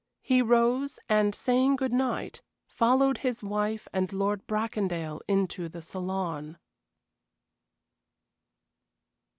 He rose, and, saying good night, followed his wife and Lord Bracondale into the saloon.